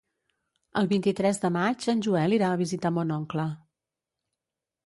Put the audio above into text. El vint-i-tres de maig en Joel irà a visitar mon oncle.